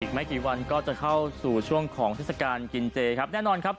ไม่กี่วันก็จะเข้าสู่ช่วงของเทศกาลกินเจครับแน่นอนครับ